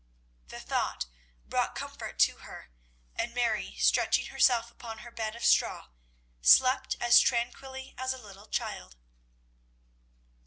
The thought brought comfort to her; and Mary, stretching herself upon her bed of straw, slept as tranquilly as a little child.